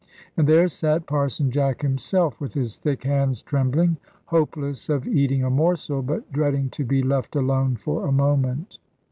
And there sate Parson Jack himself, with his thick hands trembling, hopeless of eating a morsel, but dreading to be left alone for a moment.